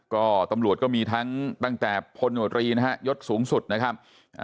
ก็ตำรวจก็มีทั้งตั้งแต่พลโนตรีนะฮะยศสูงสุดนะครับ